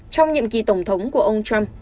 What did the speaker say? trong nhiệm kỳ tổng thống của ông trump